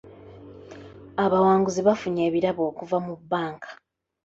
Abawanguzi baafunye ebirabo okuva mu bbanka.